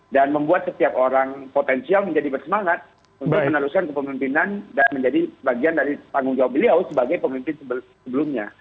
dan membuat setiap orang potensial menjadi bersemangat untuk meneruskan kepemimpinan dan menjadi bagian dari tanggung jawab beliau sebagai pemimpin sebelumnya